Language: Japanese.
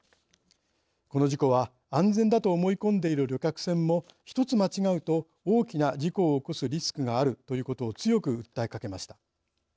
この事故は安全だと思い込んでいる旅客船も一つ間違うと大きな事故を起こすリスクがあるということを強く訴えかけました。